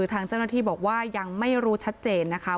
ทางเจ้าหน้าที่บอกว่ายังไม่รู้ชัดเจนนะคะ